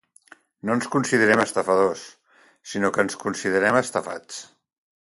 No ens considerem estafadors, sinó que ens considerem estafats.